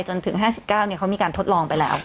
จนถึง๕๙เขามีการทดลองไปแล้ว